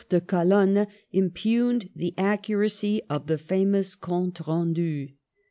de Calonne impugned the accu racy of the famous Compte Rendu. M.